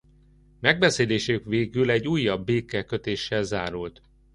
Megbeszélésük végül egy újabb békekötéssel zárult.